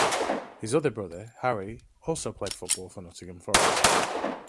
His other brother, Harry, also played football for Nottingham Forest.